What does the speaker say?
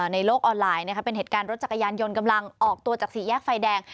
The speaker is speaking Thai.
ในโลกออนไลน์เป็นเหตุการณ์รถจักรยานยนต์กำลังออกตัวจากสี่แยกไฟแดง